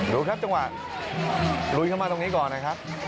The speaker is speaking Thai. ดูครับจังหวะลุยเข้ามาตรงนี้ก่อนนะครับ